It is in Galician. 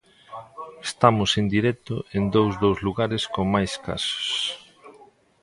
Estamos en directo en dous dos lugares con máis casos.